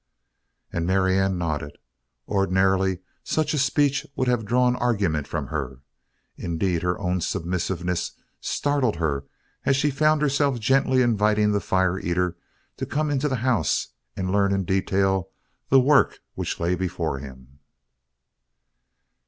And Marianne nodded. Ordinarily such a speech would have drawn argument from her. Indeed, her own submissiveness startled her as she found herself gently inviting the fire eater to come into the house and learn in detail the work which lay before him.